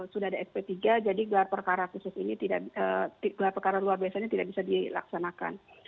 sudah ada sp tiga jadi gelar perkara khusus ini gelar perkara luar biasa ini tidak bisa dilaksanakan